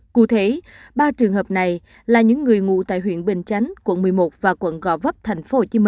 cụ thể ba trường hợp này là những người ngủ tại huyện bình chánh quận một mươi một và quận gò vấp tp hcm